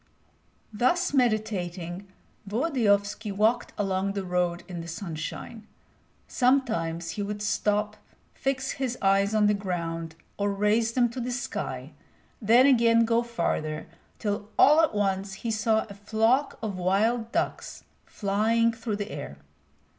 Thus meditating, Volodyovski walked along the road in the sunshine. Sometimes he would stop, fix his eyes on the ground or raise them to the sky, then again go farther, till all at once he saw a flock of wild ducks flying through the air.